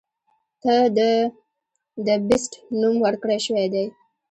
ته د “The Beast” نوم ورکړے شوے دے.